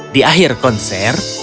di akhir konser